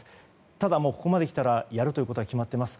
ただ、ここまできたらやるということは決まっています。